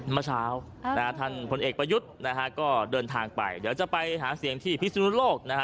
เมื่อเช้าท่านพลเอกประยุทธ์นะฮะก็เดินทางไปเดี๋ยวจะไปหาเสียงที่พิศนุโลกนะฮะ